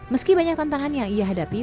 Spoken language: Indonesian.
meski banyak tantangan yang ia hadapi